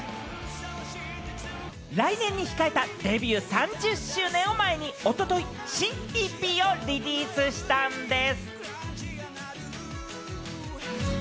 来年に控えたデビュー３０周年を前に、おととい、新ＥＰをリリースしたんです。